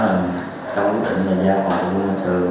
trong quyết định là giao hỏi ubnd thường